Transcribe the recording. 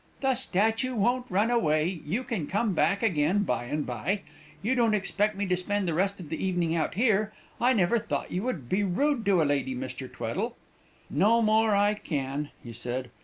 "The statue won't run away you can come back again, by and by. You don't expect me to spend the rest of the evening out here? I never thought you could be rude to a lady, Mr. Tweddle." "No more I can," he said.